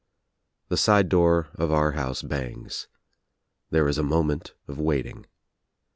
The side door of our house bangs. There is a mo ment of waiting.